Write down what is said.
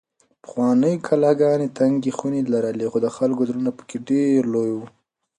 پخوانۍ کلاګانې تنګې خونې لرلې خو د خلکو زړونه پکې ډېر لوی وو.